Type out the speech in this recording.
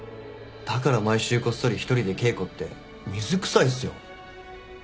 だから毎週こっそり１人で稽古って水くさいっすよ。